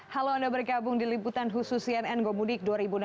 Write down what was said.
halo anda bergabung di liputan khusus cnn gomudik dua ribu enam belas